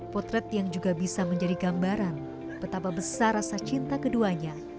potret yang juga bisa menjadi gambaran betapa besar rasa cinta keduanya